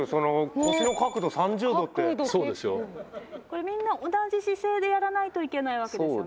これみんな同じ姿勢でやらないといけないわけですよね？